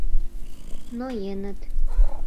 Ноеныт.